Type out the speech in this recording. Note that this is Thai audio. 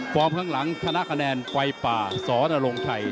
พร้อมข้างหลังวัยป่าสนรงชัย